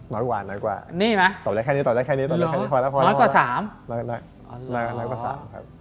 น้อยหวานมากกว่าตอบได้แค่นี้น้อยกว่า๓ครับ